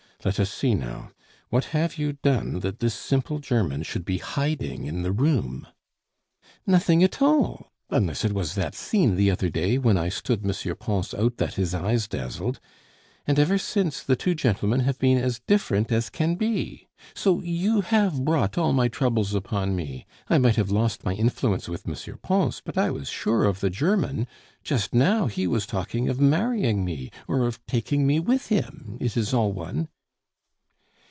Let us see, now; what have you done that this simple German should be hiding in the room?" "Nothing at all, unless it was that scene the other day when I stood M. Pons out that his eyes dazzled. And ever since, the two gentlemen have been as different as can be. So you have brought all my troubles upon me; I might have lost my influence with M. Pons, but I was sure of the German; just now he was talking of marrying me or of taking me with him it is all one."